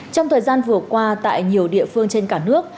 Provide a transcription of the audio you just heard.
trong thời gian vừa qua tại nhiều địa phương trên cả nước